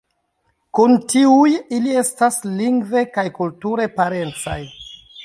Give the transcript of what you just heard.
Kun tiuj ili estas lingve kaj kulture parencaj.